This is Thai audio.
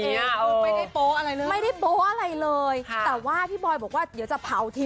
เขาไม่ได้โป๊ะอะไรเลยไม่ได้โป๊ะอะไรเลยค่ะแต่ว่าพี่บอยบอกว่าเดี๋ยวจะเผาที